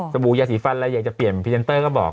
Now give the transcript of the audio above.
บู่ยาสีฟันอะไรอยากจะเปลี่ยนพรีเซนเตอร์ก็บอก